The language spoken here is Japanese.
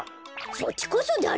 そっちこそだれよ？